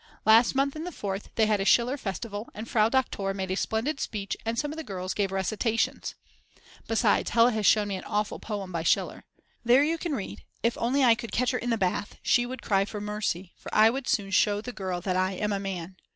Last month in the Fourth they had a Schiller festival and Frau Doktor made a splendid speech and some of the girls gave recitations. Besides Hella has shown me an awful poem by Schiller. There you can read: if only I could catch her in the bath, she would cry for mercy, for I would soon show the girl that I am a man.